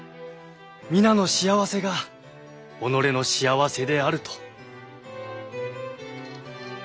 皆の幸せが己の幸せであると。